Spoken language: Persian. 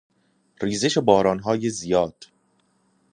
ریزش باران های زیاد